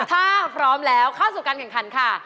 ถ้าพร้อมแล้วเข้าสู่การแข่งขันค่ะ